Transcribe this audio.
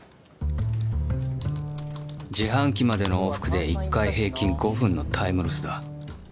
自販機までの往復で１回平均５分のタイムロスだ。